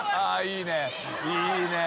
いいねぇ。